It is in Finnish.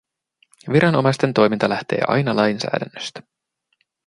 Viranomaisten toiminta lähtee aina lainsäädännöstä.